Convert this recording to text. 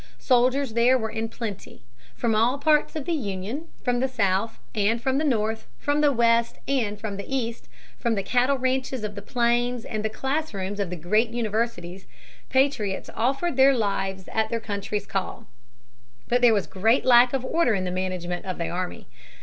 Soldiers there were in plenty. From all parts of the Union, from the South and from the North, from the West and from the East, from the cattle ranches of the plains and the classrooms of the great universities, patriots offered their lives at their country's call. But there was great lack of order in the management of the army.